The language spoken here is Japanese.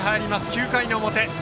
９回の表。